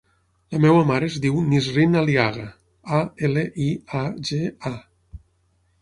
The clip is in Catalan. La meva mare es diu Nisrin Aliaga: a, ela, i, a, ge, a.